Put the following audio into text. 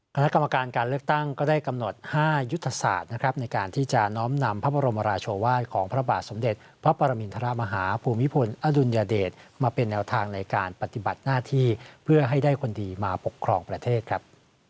คณะกรรมการการเลือกตั้งก็ได้กำหนด๕ยุทธศาสตร์นะครับในการที่จะน้อมนำพระบรมราชวาสของพระบาทสมเด็จพระปรมินทรมาฮาภูมิพลอดุลยเดชมาเป็นแนวทางในการปฏิบัติหน้าที่เพื่อให้ได้คนดีมาปกครองประเทศครับ